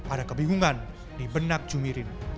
ada kebingungan di benak jumirin